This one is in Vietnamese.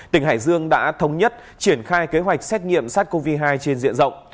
tỉnh hải dương đã thống nhất triển khai kế hoạch xét nghiệm sars cov hai trên diện rộng